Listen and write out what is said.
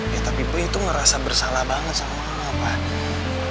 ya tapi boy itu ngerasa bersalah banget sama mama pak